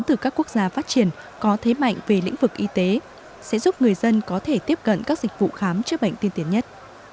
từ các quốc gia phát triển có thế mạnh về lĩnh vực y tế sẽ giúp người dân có thể tiếp cận các dịch vụ khám chữa bệnh tiên tiến nhất